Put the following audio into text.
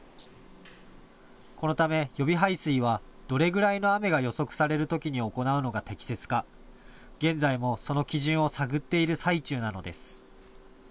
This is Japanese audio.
このため予備排水はどれぐらいの雨が予測されるときに行うのが適切か、現在もその基準を探っている最中なのです。